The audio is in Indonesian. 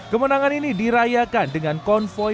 kemenangan ini dirayakan dengan konvoy